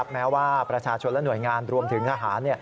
แม้ว่าประชาชนและหน่วยงานรวมถึงทหาร